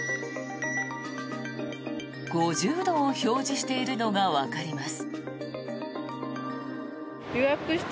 ５０度を表示しているのがわかります。